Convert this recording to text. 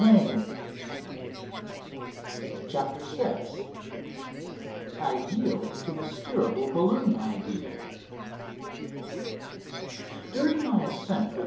1"] CHAPTER VI I YIELD TO THE STEERABLE BALLOON IDEA During my ascent with M.